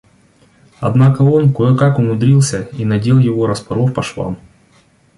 Однако он кое-как умудрился и надел его, распоров по швам.